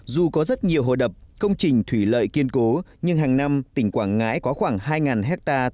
dù có rất nhiều hồ đập công trình thủy lợi kiên cố nhưng hàng năm tỉnh quảng ngãi có khoảng hai ha